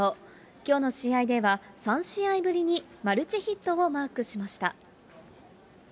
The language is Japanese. きょうの試合では、３試合ぶりにマルチヒットをマークしました。